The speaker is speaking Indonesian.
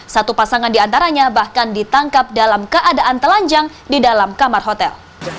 satu pasangan diantaranya bahkan ditangkap dalam keadaan telanjang di dalam kamar hotel